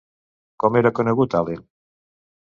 Com era conegut Allen?